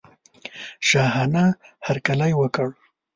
شاهانه هرکلی وکړ.